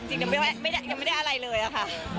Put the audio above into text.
จริงยังไม่ได้อะไรเลยนะคะ